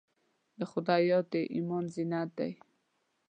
د خدای یاد د ایمان زینت دی.